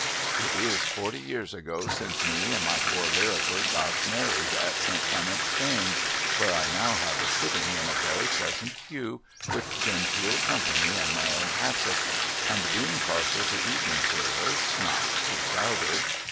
It is forty years ago since me and my poor Lirriper got married at St. Clement's Danes, where I now have a sitting in a very pleasant pew with genteel company and my own hassock, and being partial to evening service not too crowded.